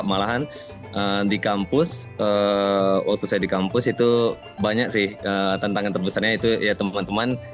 malahan di kampus waktu saya di kampus itu banyak sih tantangan terbesarnya itu ya teman teman